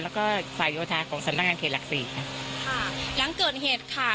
แล้วก็ฝ่ายโยธาของสำนักงานเขตหลักสี่ค่ะค่ะหลังเกิดเหตุค่ะ